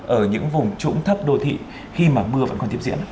ở những vùng trũng thấp đô thị khi mà mưa vẫn còn tiếp diễn